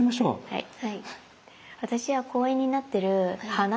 はい。